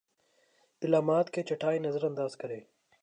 علامات کی چھٹائی نظرانداز کریں